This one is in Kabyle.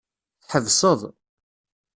Tḥebseḍ.